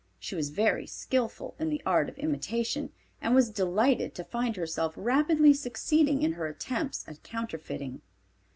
She was very skillful in the art of imitation, and was delighted to find herself rapidly succeeding in her attempts at counterfeiting.